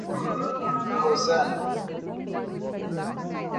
Rosana